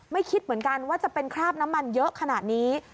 คิดเหมือนกันว่าจะเป็นคราบน้ำมันเยอะขนาดนี้